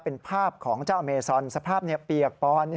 เป็นภาพของเจ้าอเมซอนสภาพเปียกปอน